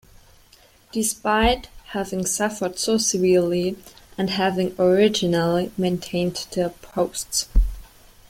Despite "having suffered so severely, and having originally maintained their posts".